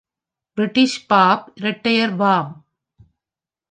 British pop இரட்டையர் வாம்!